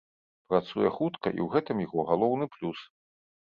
Працуе хутка, і ў гэтым яго галоўны плюс.